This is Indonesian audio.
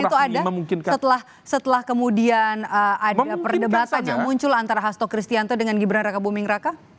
itu ada setelah kemudian ada perdebatan yang muncul antara hasto kristianto dengan gibran raka buming raka